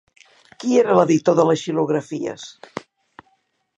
Qui era l'editor de les xilografies?